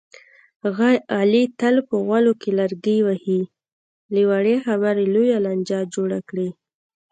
علي تل په غولو کې لرګي وهي، له وړې خبرې لویه لانجه جوړه کړي.